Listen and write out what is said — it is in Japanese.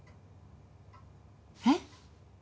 えっ？